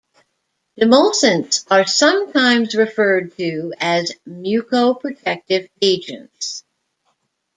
Demulcents are sometimes referred to as mucoprotective agents.